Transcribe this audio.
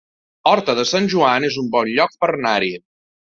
Horta de Sant Joan es un bon lloc per anar-hi